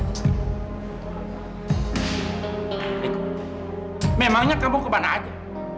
memangnya kamu kemana aja